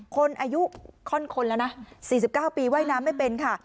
คนอายุค่อนคนแล้วนะ๔๙ปีว่ายน้ำไม่เป็นค่ะ